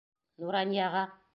Нуранияға?